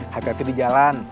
hati hati di jalan